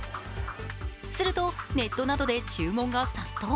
するとネットなどで注文が殺到。